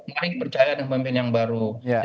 mari percaya dengan pemimpin yang baru